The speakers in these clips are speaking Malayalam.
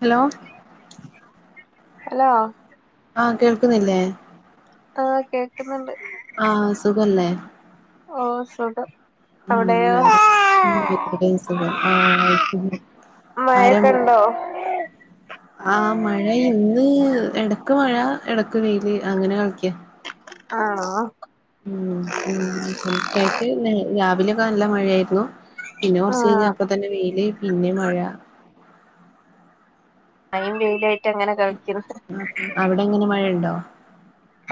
ഹലോ ഹലോ ആ കേൾക്കുന്നില്ലേ ആഹ കേക്ക്ന്നുണ്ട് ആഹ് സുഖല്ലേ ഓ സുഖം ഉം അവിടെയോ വേറെ ആ ഇവിടെയും സുഖം ആ [unintelligible] മഴൊക്കെണ്ടോ ആ മഴ ഇന്ന് ഇടക്ക് മഴ ഇടക്ക് വെയില് അങ്ങനെ കളിക്ക ആണോ ഉം [unintelligible] രാവിലെയൊക്കെ നല്ല മഴയായിരുന്നു പിന്നെ കുറച്ച് ആഹ് കഴിഞ്ഞാ അപ്പ തന്നെ വെയില് പിന്നെ മഴ അയിൻ വെയിലായിട്ട് അങ്ങനെ കളിക്ക്ണ് അവിടെ എങ്ങനെ മഴയുണ്ടോ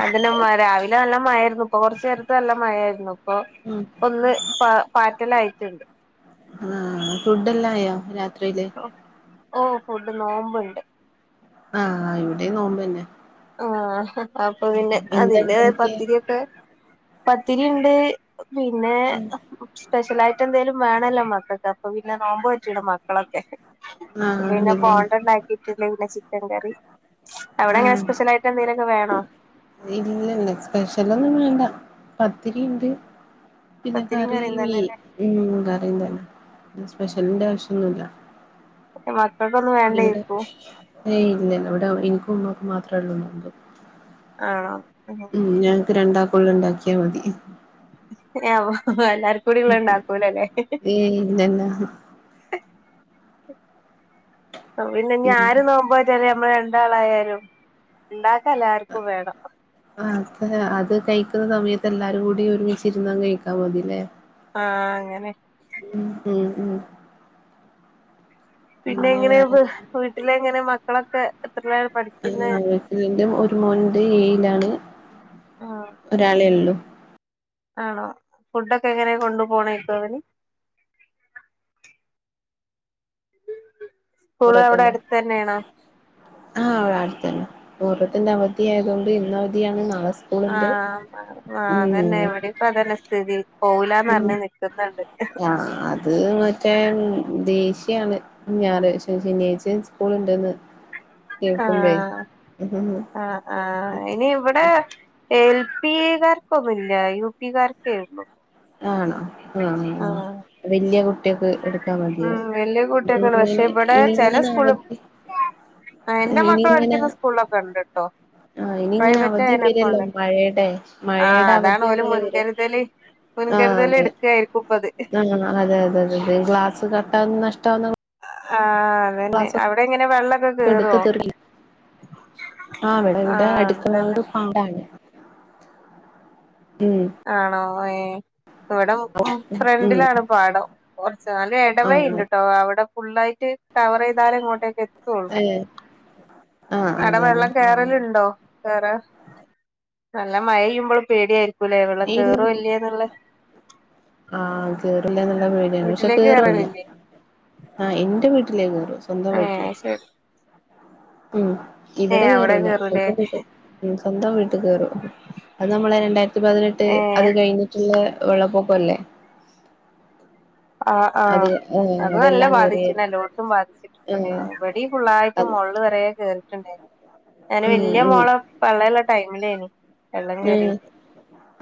അതിന് മഴ രാവിലെ നല്ല മഴായിരുന്നു ഇപ്പൊ കൊറച്ചു നേരത്ത് നല്ല മഴായിരുന്നു അപ്പൊ ഉം ഒന്ന് പ പാറ്റലായിട്ടുണ്ട് ആഹ ഫുഡ് എല്ലയോ രാത്രിയില് ഓ ഫുഡ് നോമ്പ്ണ്ട് ആഹ് ഇവിടെ നോമ്പോന്നെ ആഹ അപ്പൊ പിന്നെ അതിന്റെ ഇണ്ടാക്കിയെ പത്തിരി ഒക്കെ പത്തിരി ഉണ്ട് പിന്നെ സ്പെഷ്യലായായിട്ട് എന്തേലും. വേണേല്ലോ മക്കക്ക് അപ്പം പിന്നെ നോമ്പററിക്ണ് മക്കളൊക്കെ പിന്നെ പോണ്ടാ ഉണ്ടാക്കിട്ട് പിന്നെ ചിക്കൻ കറി അവിടെ ആാ അങ്ങനെ സ്പെഷ്യൽ ആയിട്ട് എന്തെങ്കിലുമൊക്കെ വേണോ ഇല്ല ഇല്ല സ്പെഷ്യലൊന്നും വേണ്ട പത്തിരി ഒണ്ട് പിന്നെ പത്തിരിയും കറി കറിയും മീ തന്നെല്ലേ കറി സ്പെഷ്യലിന്റെ ആവശ്യയൊന്നുയില്ലാ മക്കൾക്കൊന്നും ഇവടെ വേണ്ടേക്കും യെ ഇല്ല ഇവടെ എനിക്കും ഉമ്മക്കും മാത്രള്ളൂ നോമ്പ് ആാ ഉം ഞങ്ങക്ക് രണ്ടാക്കും ഒള്ളാ ഒണ്ടാക്കിയാ മതി ഹെ എല്ലാർക്കും കൂടി ഒളള ഒണ്ടാക്കൂലല്ലോ ഏയ് ഇല്ലല്ല പിന്നെ ഇനി ആരും നോമ്പ് നേ റ്റാലും [unintelligible] രാണ്ടാളായാലും ഒണ്ട [unintelligible] കഴിക്ക്ന്നാ സമയത്ത് എല്ലാരും കൂടി ഒരുമിച്ചിരുന്ന് കഴിക്കാൻ മതിലോ ആാ അങ്ങനെ ഉം ഉം ഉം പിന്നെ എങ്ങനെ വ് വീട്ടിലെ എങ്ങനെ മക്കളൊക്കെ എത്രയില പഠിക്കുന്നെ ഹ വീട്ടിൽ എന്റെ ഒരു മോനുണ്ട് ഏഴിലാണ് ഒരാളോ ഒള്ളൂ ആണോ ഫുഡൊക്കെ എങ്ങനെ കൊണ്ട് പോണേക്ക് അവര് സ്കൂള് എവിടെ മുഹറത്തിന്റെ അടുത്ത് തന്നെയണോ ത്ത്ന്നോ മുറാത്തിന്റെ അവധിയായത്കൊണ്ട് ഇന്ന് അവധിയാണ് നളെ സ് ആാ അത് തന്നെ ഇവടെ ഇപ്പം അത് തന്നെ സ്ഥിതി പോവുല്ലാ അറിഞ്ഞ് നിക്ക്ന്നോണ്ട് ആാ അത് മറ്റേ ഉം ദേഷ്യാണ് ഞാറാഴ്ച്ചോയും ശനിയാഴ്ചോയും സ്കൂള് ഉണ്ടെന്ന് ആാ ആാ ആാ ഇനി ഇവിടെ എൽ പി കാറ്ക്കൊന്നുയില്ലാ യു പി കാർക്കേയെള്ളു ആണോ ആാ വല്യായ കുട്ടിയോക്ക് എട്ക്കാ മതിയോ വല്ല്യാ കുട്ടിയേക്കൊണ്ട് പശെ ഇങ്ങനെ ഇവടെ ചെലാ ഇനിങ്ങനെ സ്കൂള് അവധി എന്റെ മക്കള് ഇനിങ്ങനെ പഠിക്കുന്ന സ്കൂളൊക്കെ ഉണ്ട്ട്ടോ ആഹ് ഇനിങ്ങനെ പ്രൈവറ്റ് അവധി വരല്ലോ ആയനൊക്കെണ്ട് മഴയുടെ മഴയുടെ അതാണ് അവധി ഒല് ഇങ്ങനെ വരും മുൻകരുതൽ ല് മുൻകരുതല് എട്ക്കാ അങ്ങനെ അതെ അതെ അതെ അതെ ക്ലാസ്സ് കാട്ടാവും നഷ്ടാവും ആാ അത് തന്നെ അവടെ എങ്ങനെ വെള്ളോക്കെ കേറുവോ ആാ ഇവിടെ ആഹ് അതന്നെ ഇവിടെ പാടാണ് ഉം ആണോ യെ ഇവിടെ ഉം ഉം ഫ്രന്റിലാണ് പാടാം [unintelligible] ഇടവഴി ആണ് ഉണ്ട് ട്ടോ [unintelligible] ഐ അടെ വെള്ളം കേറ്ലെണ്ടോ കേറ നല്ല മയാ ചെയ്യുമ്പോള് പേടി ല്ലോ വെള്ളം കേറും ഇല്ലോന്ന് ആാ കേയറില്ലാ എന്നുള്ളാ പേടിയാണ് പശെ കേറുല്ലാ കേറലില്ലേ ആാ എന്റെ വീട്ടിലേ കേറുളു സ്വന്തം ഏ വീട്ടില് ശരി ഉം ഏ ഇവടെ അവിടെ കേറൂല്ലാ കേറൂലേ സ്വന്തം വീട്ടി സ്വന്തം വിട്ട് കേറും അത് നമ്മളെ പതിനെട്ട് ഏ അത് കഴിഞ്ഞിട്ട് വെള്ളപ്പൊക്കം ഇലേ ആാ ആാ അത് ഏ അത് നല്ലാ അതെല്ലാം ബാധിച്ചിന്ന് കേറിയായിരുന്നു എല്ലോട്ടും ബാധിച്ചിട്ടുണ്ട് ആ ഇവടെ ഫുള്ളായിട്ട് അത് മെള് വെരേ കേറി [unintelligible] ഞാന് ഉം വല്ല്യായ ഉം മോള് ഉം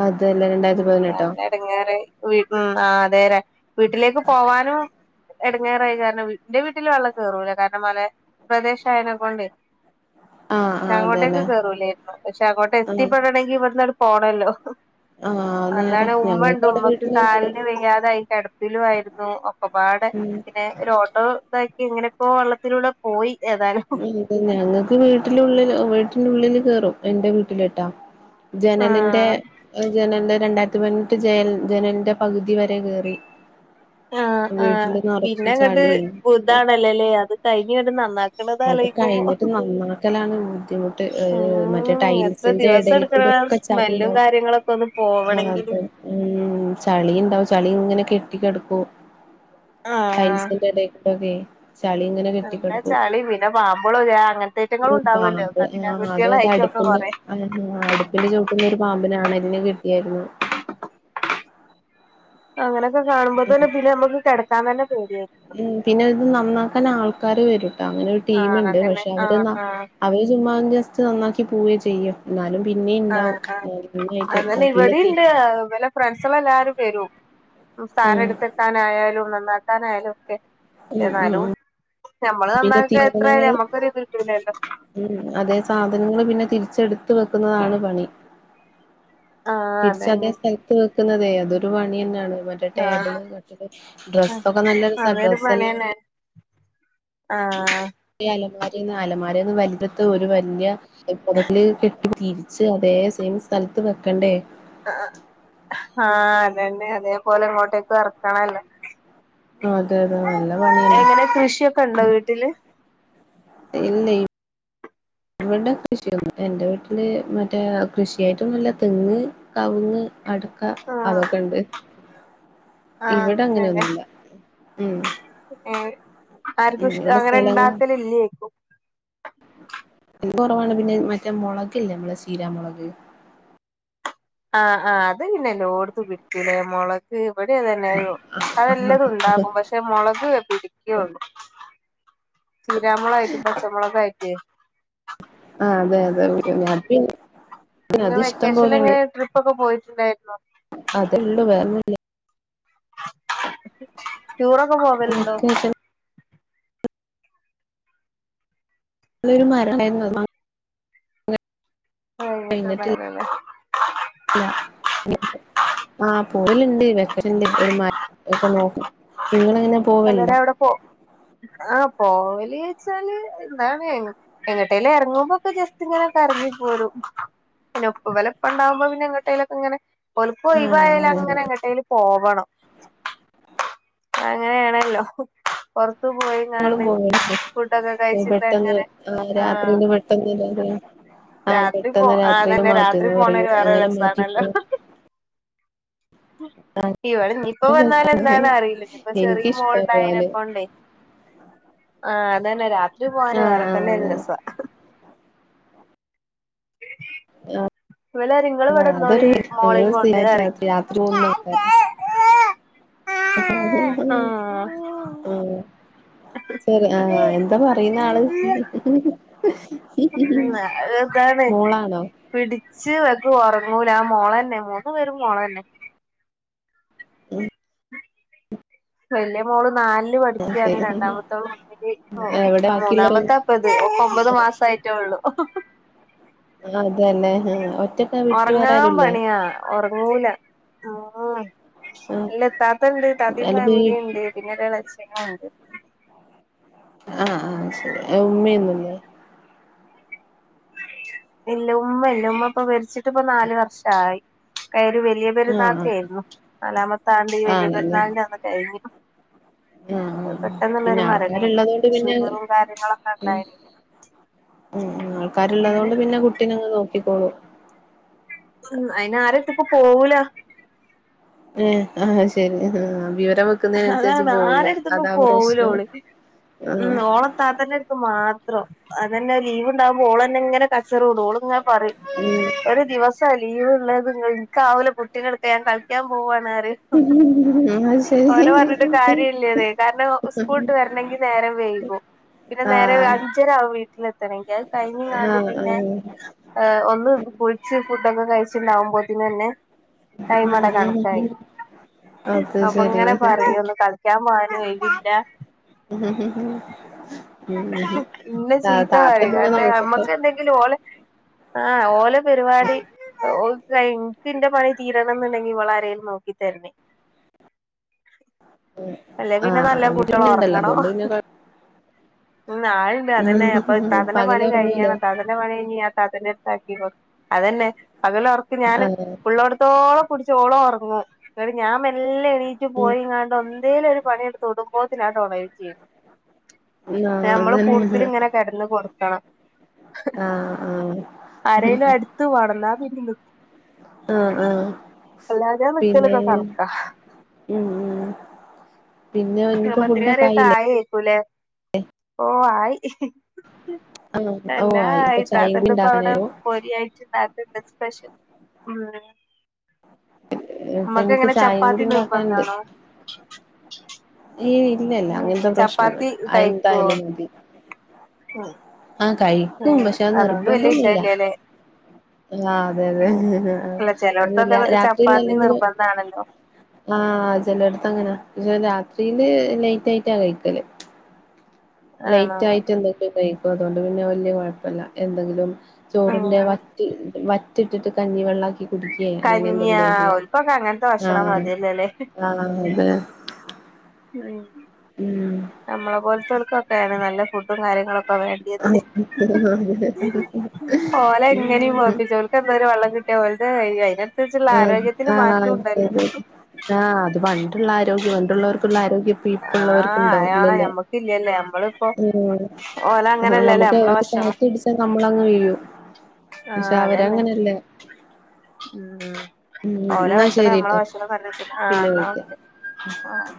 അതല്ലേ രണ്ടായിരത്തി ഉം പതിനെട്ടോ നല്ല എടങ്ങാറ് വീട്ട ഉം ആാ തെരാ വീട്ടിലേക്ക് പോവാനും എടങ്ങാറായി കാരണം എന്റെ വീട്ടില് വെള്ളം കേറൂലാ കാരണം മലെ പ്രദേശം ആയത് കൊണ്ടോ അ പക്ഷെ അങ്ങോട്ടേക്കെ കേയറൂലായിരുന്നു പക്ഷെ അങ്ങോട്ടെ ആഹ് എത്തിപ്പെടണമെങ്കിൽ ഇവിടുന്ന്ട് പോണല്ലോ ആഹ് നേരാ അന്നാണ് ഉമ്മ ഞങ്ങക്ക് ഉണ്ട് അവിടെ ഉമ്മക്ക് വീട്ടില് കേറും കാലിന് വെയ്യാതൊയി. കിടപ്പിലു ആരുന്നു ഒപ്പപാട് ഉം പിന്നെ ഒരു ഓട്ടോ ഇത എങ്ങനെപ്പോ വെള്ളത്തിലൂടെ പോയി ഏതായാലും എ ഞങ്ങക്ക് വീട്ടിലുള്ളിൽ വീട്ടിന്റെള്ളില് കേയറും എന്റെ വീട്ടിലിട്ടാ ജനലിന്റെ ആഹ് ജനലിന്റെ രണ്ടായിരത്തി പതിനെട്ട് ജ ജനലിന്റെ പകുതി ഇതുവരെ കയറി ആ ആ പിന്നെ ഇങ്ങട്ട് ചളിയും ഇതാണല്ലേല്ലേ അത് കഴിഞ്ഞട്ട് നന്നാക്കണത അത് കഴിഞ്ഞിട്ട് നന്നാക്കലാണ് ബുദ്ധിമുട്ട് മറ്റേ ഉം എത്ര ടൈൽസിന്റെ ദിവസം ഇടൽ എടുക്കണ കൂടെൊക്കെ സ്മെല്ലും ചളിണ്ടാവും കാര്യങ്ങളൊക്കെ ഒന്ന് ആ പോവണെങ്കില് ഉ ചളിണ്ടാവും ചളി അങ്ങനെ കെട്ടിക്കടുക്കു ആഹ് ടൈൽസിന്റെ ഇടക്കൂൊക്കെ ചളി ഇങ്ങനെ നല്ല കെട്ടിക്കെടുക്കൂ ചളി പിന്നെ പാമ്പുകളും അങ്ങനത്തെ ഐറ്റങ്ങളും അത ആ ഉണ്ടാവുമല്ലോ അത അത് കഠിനാകൃതികളായിട്ടൊക്കെ അടുപ്പിന്റെ കൊറേ അടുപ്പിന്റെ ചോട്ട- ഒരു പാമ്പിനണലന് കിട്ടിയായിരുന്നു അങ്ങനെയൊക്കെ കാണുമ്പോത്തന്നെ ബില് നമുക്ക് കിടക്കാ തന്നെ പേടിയായിരുന്നു ആക്കർ വരട്ടോ അങ്ങനെ ഒരു ടീംുണ്ട് അതന്നെ പക്ഷെ അവര് ആഹ് ആഹ് അവര് ചുമ്മാ നന്നാക്കി പോവുകയും ചെയ്യും എന്നാലും പിന്നെ ആഹ് ആഹ് ഇണ്ടാവുംന്നായിട്ട് പിന്നെ തീ ഫ്രണ്ട്സുള്ള എല്ലാരും വരും സാധനം ഉം എടുത്തെക്കാനായാലും നന്നാക്കാനായാലും ഒക്കെ ഉം ഉം എന്നാലും ഉം നമ്മള് നന്നാക്കാക്ക എത്രയാല നമ്മക്കൊരിത് കിട്ടില്ലല്ലോ ഉം അതേ സാധനങ്ങൾ പിന്നെ തിരിച്ചെടുത്ത വെക്കുന്നതാണ് പണി ആഹ് തിരിച്ച അതേ അതന്നെ സ്ഥലത്ത് വെക്കുന്നതേ അതൊരു പണി തന്നെയാണ് മറ്റേ ആഹ് ടേബിള് ക് ഡ്രസ്ക്കെ നല്ലൊരുസ ഡ്രസ്ല്ലാം ആഹ! അലമാരന്ന് അലമാരന്ന് വല ഒരു വലിയ ക- തിരിച്ച് അതേ സെയിം സ്ഥലത്ത് വെക്കണ്ടേ ആഹ അതന്നെ അതേപോലെ ഇങ്ങോട്ടേക്ക് ഇറക്കണല്ലോ അതെ അതെ നല്ല പണിയാണ് എങ്ങനെ കൃഷിയൊക്കെ ഉണ്ടോ വീട്ടില് ഇല്ല ഇവിടെ കൃഷിയൊന്ന എന്റെ വീട്ടില് മറ്റേ കൃഷിയായിട്ടൊന്നല്ല തെങ്ങ്, കവുങ്ങ്- അടുക്ക ആഹ് അതൊക്കെ ഇണ്ട് ആഹ് ഇവിടെ അങ്ങനെയൊന്നുമല്ല ഉം ഏ ഉം ആർക്കുംഷ ഇവിടെ അങ്ങനെ സ്ഥലങ്ങൾ ഉണ്ടാക്കല ഇല്ലേക്കും കുറവാണ് പിന്നെ മറ്റേ മുളക്ല്ലേ നമ്മളെ ചീരാമുളക് ആഹ് ആ് അത് പിന്നെല്ലോ ഓടുത്ത് പിടിക്കൂലേ മുളക് എവിടെ അത് തന്നെയ അതെല്ലാതും ഉണ്ടാക്കും പക്ഷെ മുളക് പിരിക്കള്ളു ചീരാമുളകായിട്ടും പച്ചമുളൊക്കെ ആയിട്ടേ ആ അതെ അതെ അത് നി അത് ഇഷ്ടം വെക്കേഷൽ എങ്ങനെ ട്രിപ്പ ഒക്കെ പോയിട്ടുണ്ടായിുന്നോ? അതേള്ളൂ വേറെല്ലേ ടൂറൊക്കെ പോവലുണ്ടോ? വെക്കേഷൻ അതൊരു മരണരുന്നു ആട്ട് പറയല്ലേ ഇല്ല ആഹ് പൂലുണ്ട് വെക്കലണ്ട് ഒരു ഒക്കെ നോക്കും നിങ്ങങ്ങനെ സമരെ അവിടെ പോ ആഹ പോ ച്ചാല് എന്താണ് എങ്ങട്ടേല ഇറങ്ങുമ്പോൊക്കെ ജസ്റ്റ് ഇങ്ങനൊക്കെ ഇറങ്ങി പോരും പിന്നെപ്പ വലപ്പ ഉണ്ടാവുമ്പോ പിന്നെങ്ങട്ടേയിലൊക്കെ ഇങ്ങനെ ഒലിപ്പ് ആ ഒയവായാല അങ്ങനെ എങ്ങട്ടൽ പോവണം [unintelligible] അങ്ങനെയാണല്ലോ പുറത്തു ഞങ്ങളും പോയിങ്ങാണ്ട് പോവലുണ്ട് ഫുഡൊക്കെ കഴിച്ചിട്ട് പെട്ടെന്ന് എങ്ങനെ ആ രാത്രിയില് പെട്ടെന്ന് എല്ലാരും ആ രാത്രി പോ പെട്ടെന്ന് രാത്രിയില് അതന്നെ രാത്രി മാറ്റന്ന് പറയും പോണര് വേറെ അങ്ങനെ മാറ്റി രസാണല്ലോ പോവും ഇവടെ ഇപ്പ നല്ല വന്നാല രസാണ് എന്താണ് അറിയില്ല ചെറിയ എനിക്കിഷ്ടാ പോവാന് മോളണ്ടായനപ്പണ്ടേ ആ അത് തന്നെ രാത്രി ആ പോവാനും ആ വേറെ തന്നെ രസ ആ ഇവല് പറയും ഇങ്ങള് ആ ഇവിടെ നിന്നോളി മോളേം അതൊരുങ്ങള് കൊണ്ട് പറയും സ്ട്ട് രാത്രി പോന്ന [unintelligible] ആ ആഹ് ആ ശെരി ആഹഎന്താ പറയുന്ന ആള് ഇതാണ് മോളാണോ പിടിച്ച് വക്കും ഉറങ്ങൂ മോള് തന്നെ മൂന്നു പേരും മോള് തന്നെ ഉം വല്ല മോള് നാലില് ആഹ് പഠിക്കുകയാണ് ശരി രണ്ടാമത എവിടെ [unintelligible] ബാക്കിയുള്ളവര് മൂന്നാമത്തേത് ഒമ്പത് മാസം റ്റള്ളൂ ആ അതല്ലെ ആ ഉറങ്ങാൻ പണിയാ ഉറങ്ങൂല ഉം ആഹ് ഇല്ല താത്ത ഉണ്ട് താത്തി അല്ല വീ ഫാമിലി ഉണ്ട് പിന്നെ ഇളയച്ഛനും ഉണ്ട് ആ ആ ശരി ഉമ്മയൊന്നുമില്ലേ ഇല്ല ഉമ്മ ഇല്ല ഉമ്മ ഇപ്പൊ മരിച്ചിട്ടിപ്പോ നാലു വർഷമായി വലിയ ആഹ് പെരുന്നാൾക്കായിരുന്നു നാലാമത്താണ്ട് ഈ വലിയ പെരുന്നാളിന് അന്ന് കഴിഞ്ഞു ആ പിന്നെ പെട്ടെന്നുള്ളൊരു മരണേനു ആൾക്കാരുള്ളതു കൊണ്ട് പിന്നെ ഷുഗറും കാര്യങ്ങളൊക്കെ ഉം ഉണ്ടായിന് ഉം അങ്ങനെ ആൾക്കാരുള്ളതുകൊണ്ട് പിന്നെ കുട്ടിനങ്ങ് നോക്കിക്കോളൂ ഉം അയിന് ആർക്കെടുത്തും പോവൂല ആ ശരി ആ വെക്കുന്നതിനനുസരിച്ച് അതാണ് പോവില്ല ആരെടുത്ത്ക്കും അതാ പോവൂല പ്രശ്നം ഓള് ഉം ആഹ് ഓള് താത്തന്റെ അടുത്ത് മാത്രം അതങ്ങനെ ലീവ് ഉണ്ടാവുമ്പോ ഓൾന്നെ ഇങ്ങനെ കച്ചറം ഉടും അവഓള ഇങ്ങനെ പറയും ഉം ഒരു ദിവസംല്ല ലീവ് ഉള്ളത്. നിങ്ങൾക്കാ ഒരു കുട്ടിനെ എടുത്ത് ഞാൻ കളിക്കാൻ പോവവാ ഉ ശരി ലെ പറഞ്ഞിട്ട് കാര്യ ഇല്ലതെ കാരണം സ്കൂളട്ട് വരണമെങ്കി നേരം വൈകും പിന്നെ നേരെ ആഹ് അഞ്ചരാവും വീട്ടിലെത്തണമെങ്കിൽ അത് കഴിഞ്ഞാണ്ട് ആഹ് പിന്നെ ആഹ് ഒന്ന് കുളിച്ച് ഫുഡൊക്കെ കഴിച്ചിട്ടുണ്ടാവുമ്പോത്തിന് തന്നെ ഉം ടൈമവിടെ ഉം കണക്കായി ഉം അത് അപ്പൊ ശരി ഇങ്ങനെ പറയ ഒന്ന് കളിക്കാൻ പോകാൻ കഴിഞ്ഞില്ല ഉ ഹ പിന്നെ ചീത്ത കാര്യം പിന്നെ കാരണം നോക്കട്ടെ നമ്മക്ക് എന്തെങ്കിലും ഓലെ ആഹ ഓല പരിപാടി ഓ ഇക്കിന്റെ പണി തീരണം എന്നുണ്ടെങ്കി ഇവളെ ആരേലും നോക്കി തരണേ അല്ലെ പിന്നെ ആഹ് നല്ല അവര് കുട്ടികൾ പിന്നെ ഇണ്ടല്ലോ ഉറങ്ങണോ അതുകൊണ്ട് പിന്നെ കൊഴ ഉ ആളുണ്ട് അതന്നെ അപ്പൊ ഇത്താത്തന്റെ പകല് പണി ഒറങ്ങൂലേ കഴിയണം ഇത്താത്തന്റെ പണി കഴിയു ഇത്താത്തന്റെ അതന്നെ പകലോർക്ക് ആഹ് ഞാന്പുള്ളോടത്തോളം കുട്ടിച്ചോളം ഉറങ്ങു ഞാൻ മെല്ലേ എണീറ്റ് പോയി ഇങ്ങാണ്ട് ഒ ഇന്തേലും ഒരു പണിയെടുത്ത് തുടങ്ങുമ്പോ ഉണരുകയും ചെയ്യും ആഹ് നമ്മള് അതന്നെ കൂടുതൽ ഇങ്ങനെ കിടന്ന് കൊടുക്ക ആഹ് ആഹ് ആരലും അടുത്തു വേണം എന്നാ പിന്ന ആഹ് ആഹ് അല്ലാതെ പിന്നെ നിക്കലൊക്കെ കണക്കാ ഉം ഉം പിന്നെ ഇനിയിപ്പോ ഫുഡൊക്കെ ആയില്ലേ പത്രികാരൊക്കെ [unintelligible] ഓ ആയി ആഹ് അല്ല ഓഹ് ആയി ഇപ്പൊ ചായയും ഇതാത്ത കൂടി ഇപ്പോ അവിടെ ഉണ്ടാക്കാനായിരുന്നു പോരി ആയിട്ട് ഇണ്ടാത്തണ്ട് സ്പെഷ്യൽ ഉണ്ട് ഇപ്പൊ നമ്മക്ക് എനിക്ക് എങ്ങനെ ചായയും ചപ്പാത്തി കൂടി ഉണ്ടാക്കാനുണ്ട് നിർബന്ധാണോ ഈ ഇല്ലല്ല ഉം അങ്ങനത്തെ ചപ്പാത്തി പ്രശ്നൊന്നുമ കഴിക്കോ എന്തായാലും മതി ഉം ആഹ് കഴിക്കും ഉം പക്ഷെ അത് അതുകൊണ്ട് വല്യ നിർബന്ധൊന്നുമില്ല വിഷയല്ലല്ലേ ആഹ അതെ അതെ ഉം അല്ല അതല്ല ചെലോട്ത്തൊക്കെ രാത്രിൽ ചപ്പാത്തി അല്ലെങ്കിലും നിർബന്ധാണല്ലോ ആഹ് ചിലയിടത്ത് അങ്ങനാ പക്ഷെ രാത്രിയില് ലേറ്റ് ആയിട്ടാ കഴിക്കല് ആണോ ലൈറ്റ് ആയിട്ട് എന്തെങ്കിലും കഴിക്കും അതുകൊണ്ട് പിന്നെ വലിയ കുഴപ്പല്ല എന്തെങ്കിലും ഉം ചോറിന്റെ വറ്റ വറ്റിട്ടിട്ട് കഞ്ഞിവെള്ളം ആക്കി കുടിക്ക അങ്ങനെ കഞ്ഞിയാ എന്തണ്ടോ ചെയ്യ ഓൽക്കൊക്കെ അങ്ങനത്തെ ആ ഭക്ഷണം മതിയല്ലോല്ലേ ആ അതെ ഉം ഉം നമ്മളെ പോലത്തോർക്കൊക്കെയാണ് നല്ല ഫുഡും കാര്യങ്ങളൊക്കെ വേണ്ടത് പോലെ എങ്ങനെയും [unintelligible] എന്ത വെള്ളം കി അ വളതായി [unintelligible] ആഹ് ആഹ് അതെ അതെ അതെ ആഹ് അത് പണ്ടുള്ള ആരോഗ്യം പണ്ടുള്ളവർക്കുള്ള ആരോഗ്യം ഇപ്പ ഇപ്പ ഉള്ളവർക്കുണ്ടോ ആഹ് ആ ഞമ്മക്കില്ലല്ലേ നമ്മളിപ്പോ ഓല അങ്ങനെയല്ലല്ലേ നമുക്ക് നമ്മളെ ഭക്ഷണം കാറ്റ് അടിച്ച നമ്മൾ അങ്ങ് വീഴും പക്ഷെ ആഹ് അതന്നെ അവരങ്ങനെയല്ല ഉ ഉം ഓലെ എന്നാ ഭക്ഷണം നമ്മളെ ശരിട്ടോ ഭക്ഷണം ആ പിന്നെ വിളിക്കാം എന്നക്കെ ആഹ്